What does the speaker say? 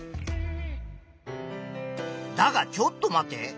だがちょっと待て。